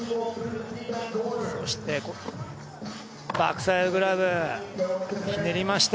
バックサイドグラブ、ひねりました。